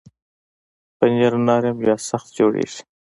پنېر نرم یا سخت جوړېږي.